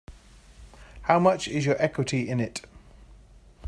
How much is your equity in it?